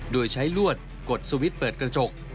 ด้วยใช้รวดกดสวิตเติบเกิดกระจก